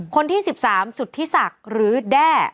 คนที่๑๓สุทธิศักดิ์หรือแด้